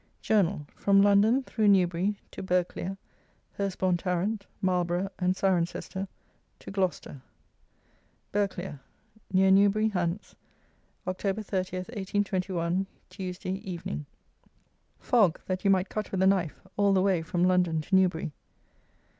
JOURNAL: FROM LONDON, THROUGH NEWBURY, TO BERGHCLERE, HURSTBOURN TARRANT, MARLBOROUGH, AND CIRENCESTER, TO GLOUCESTER. Berghclere, near Newbury, Hants, October 30, 1821, Tuesday (Evening). Fog that you might cut with a knife all the way from London to Newbury.